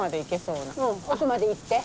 うん奥まで行って。